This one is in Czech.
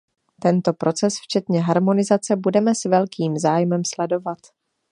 Tento proces včetně harmonizace budeme s velkým zájmem sledovat.